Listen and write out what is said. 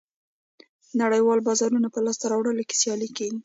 د نړیوالو بازارونو په لاسته راوړلو کې سیالي کېږي